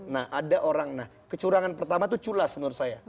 nah ada orang nah kecurangan pertama itu culas menurut saya